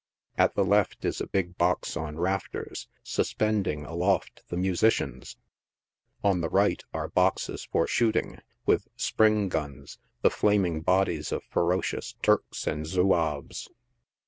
At the left is a big box on rafters, suspending aloft the musicians — on the right are boxes for shooting, with spring guns, the flaming bodies of ferocious Turks and Zouaves.